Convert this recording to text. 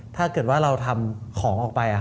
ถ้าเกิดว่าเราทำของออกไป